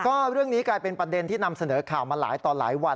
ก็เรื่องนี้กลายเป็นประเด็นที่นำเสนอข่าวมาหลายต่อหลายวัน